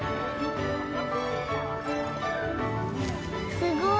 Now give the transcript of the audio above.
すごい。